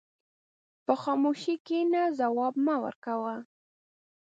په خاموشۍ کښېنه، ځواب مه ورکوه.